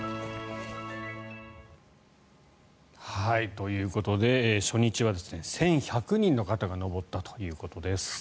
ということで、初日は１１００人の方が登ったということです。